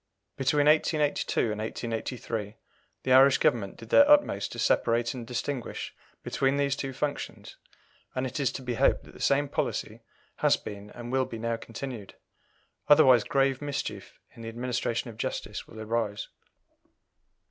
Between 1882 and 1883 the Irish Government did their utmost to separate and distinguish between these two functions, and it is to be hoped that the same policy has been and will be now continued, otherwise grave mischief in the administration of justice will arise.